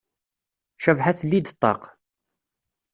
Cabḥa telli-d ṭṭaq.